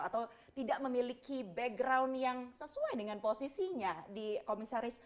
atau tidak memiliki background yang sesuai dengan posisinya di komisaris